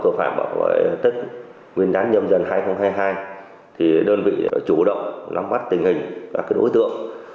tội phạm bảo vệ tết nguyên đán nhâm dần hai nghìn hai mươi hai thì đơn vị chủ động nắm bắt tình hình các đối tượng